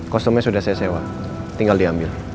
kostumnya sudah saya sewa tinggal diambil